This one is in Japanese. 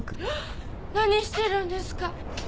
何してるんですか！？